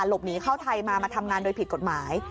หลบหนีเข้าไทยมามาทำงานโดยผิดกฎหมาย